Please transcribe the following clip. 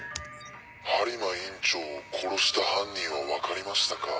播磨院長を殺した犯人は分かりましたか？